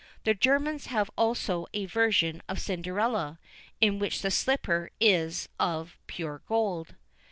The Germans have also a version of Cinderella, in which the slipper is of "pure gold."